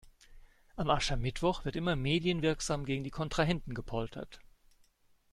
Am Aschermittwoch wird immer medienwirksam gegen die Kontrahenten gepoltert.